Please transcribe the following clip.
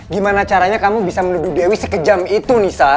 gimana caranya kamu bisa menuduh dewi sekejam itu nisa